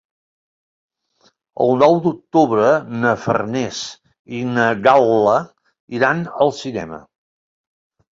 El nou d'octubre na Farners i na Gal·la iran al cinema.